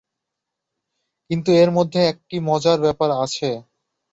কিন্তু এর মধ্যে একটি মজার ব্যাপার আছে।